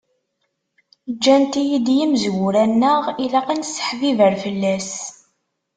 Ǧǧan-t-id yimezwura-nneɣ ilaq ad nesseḥbiber fell-as.